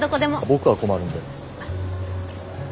僕が困るんで。